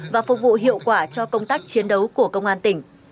và phục vụ hiệu quả cho công tác chiến đấu của công an tỉnh